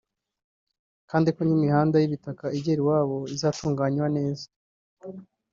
kandi ko n’imihanda y’ibitaka igera iwabo izatunganywa neza